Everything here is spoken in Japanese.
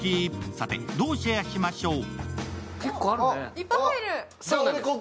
さて、どうシェアしましょう？